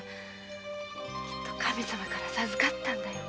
きっと神様から授かったんだよ。